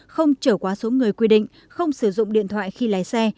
không trở quá số người quy định không sử dụng điện thoại khi lái xe